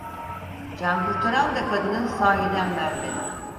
Cankurtaran da kadını sahiden vermedi.